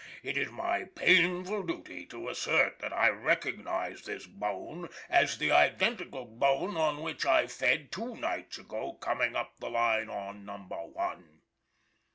It is my painful duty to assert that I recognize this bone as the identical bone on which I fed two nights ago coming up the line on Number One."